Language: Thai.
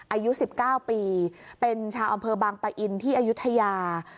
อายุ๑๙ปีเป็นชาวอำเภอบางปะอินที่อายุทยา